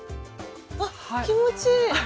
あっ気持ちいい！